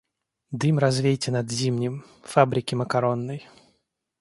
Дым развейте над Зимним — фабрики макаронной!